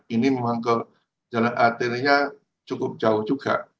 ini memang ke jalan arterinya cukup jauh juga